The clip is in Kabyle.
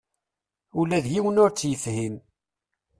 Ula d yiwen ur tt-yefhim.